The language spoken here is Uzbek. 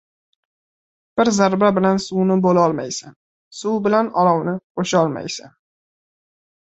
• Bir zarba bilan suvni bo‘lolmaysan, suv bilan olovni qo‘sholmaysan.